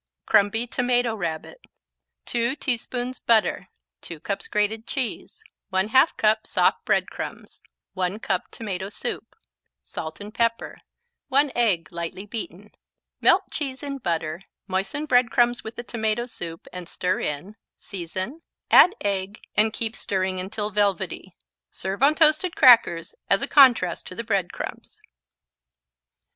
Crumby Tomato Rabbit 2 teaspoons butter 2 cups grated cheese 1/2 cup soft bread crumbs 1 cup tomato soup Salt and pepper 1 egg, lightly beaten Melt cheese in butter, moisten bread crumbs with the tomato soup and stir in; season, add egg and keep stirring until velvety. Serve on toasted crackers, as a contrast to the bread crumbs.